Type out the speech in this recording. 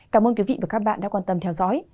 cảm ơn quý vị và các bạn đã quan tâm theo dõi